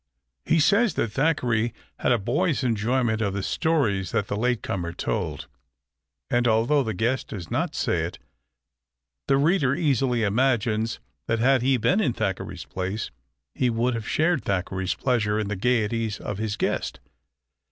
He says that Thackeray had a boy's enjoyment of the stories that the late comer told, and although the guest does not say it, the reader easily imagines that had he been in Thackeray's place he would have shared Thackeray's pleasure in the gayeties of his guest.